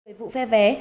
làm nhiệm vụ phe vé